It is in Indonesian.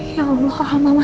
ya allah mama